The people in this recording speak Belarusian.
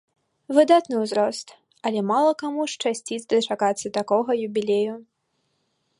Выдатны ўзрост, але мала каму шчасціць дачакацца такога юбілею.